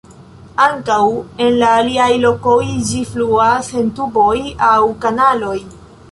Ankaŭ en la aliaj lokoj ĝi fluas en tuboj aŭ kanaloj.